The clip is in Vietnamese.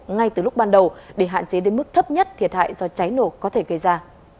ngay từ lúc ban đầu để hạn chế đến mức thấp nhất thiệt hại do cháy nổ có thể gây ra